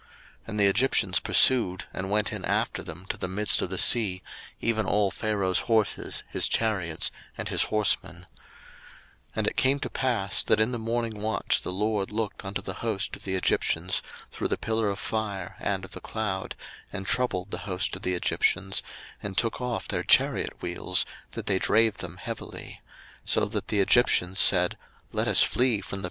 02:014:023 And the Egyptians pursued, and went in after them to the midst of the sea, even all Pharaoh's horses, his chariots, and his horsemen. 02:014:024 And it came to pass, that in the morning watch the LORD looked unto the host of the Egyptians through the pillar of fire and of the cloud, and troubled the host of the Egyptians, 02:014:025 And took off their chariot wheels, that they drave them heavily: so that the Egyptians said, Let us flee from the face of Israel; for the LORD fighteth for them against the Egyptians.